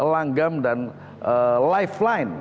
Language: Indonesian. langgam dan lifeline